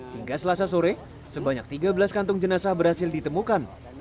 hingga selasa sore sebanyak tiga belas kantung jenazah berhasil ditemukan